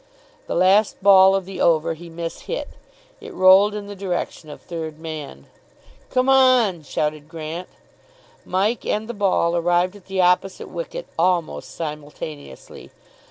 The last ball of the over he mishit. It rolled in the direction of third man. "Come on," shouted Grant. Mike and the ball arrived at the opposite wicket almost simultaneously.